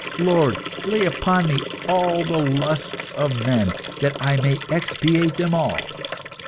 Lord, lay upon me all the lusts of men, that I may expiate them all!